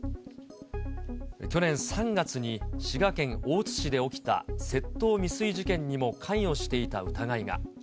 去年３月に、滋賀県大津市で起きた窃盗未遂事件にも関与していた疑いが。